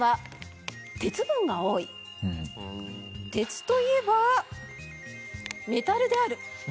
鉄といえばメタルである。